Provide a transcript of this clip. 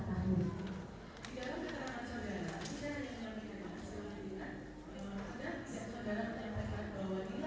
dan juga sedia layak beberapa artis